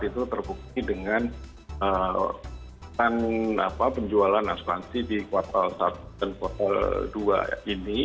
itu terbukti dengan penjualan asuransi di kuartal satu dan kuartal dua ini